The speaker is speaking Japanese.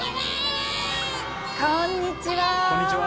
こんにちは。